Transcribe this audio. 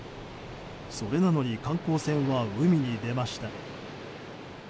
それなのに観光船は海に出ました。